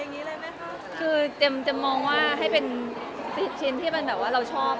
อย่างนี้เลยไหมคะคือเจมส์จะมองว่าให้เป็นสิบชิ้นที่มันแบบว่าเราชอบ